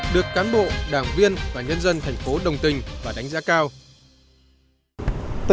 được cán bộ đảng viên và nhân dân thành phố đồng tình và đánh giá cao